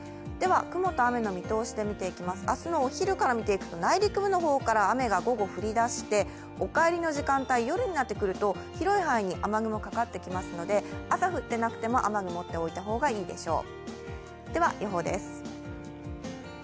雲と雨の見通しで見ていきます、明日のお昼から見ていくと、内陸部の方から雨が午後降りだして、お帰りの時間帯、夜になってくると広い範囲に雨雲かかってきますので朝降ってなくても、雨具を持っておいた方がいいでしょう。